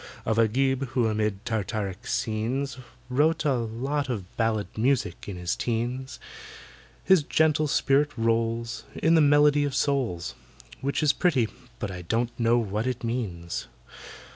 Of AGIB, who, amid Tartaric scenes, Wrote a lot of ballet music in his teens: His gentle spirit rolls In the melody of souls— Which is pretty, but I don't know what it means.